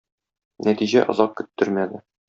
Нәтиҗә озак көттермәде.